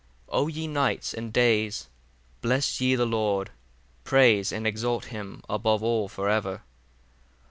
47 O ye nights and days, bless ye the Lord: praise and exalt him above all for ever.